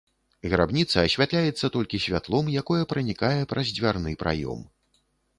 Грабніца асвятляецца толькі святлом, якое пранікае праз дзвярны праём.